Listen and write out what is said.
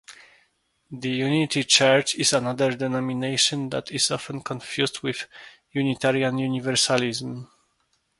The Unity Church is another denomination that is often confused with Unitarian Universalism.